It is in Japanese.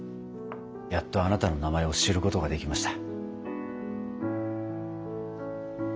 やっとあなたの名前を知ることができました。